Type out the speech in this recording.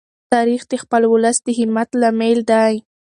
تاریخ د خپل ولس د همت لامل دی.